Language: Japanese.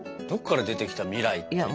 どっから出てきた未来って。